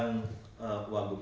semuanya bisa bagi bagi